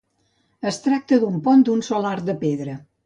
Es tracta d'un pont d'un sol arc de pedra.